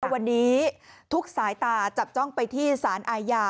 วันนี้ทุกสายตาจับจ้องไปที่สารอาญา